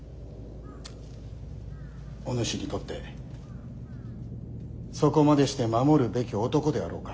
お主にとってそこまでして守るべき男であろうか？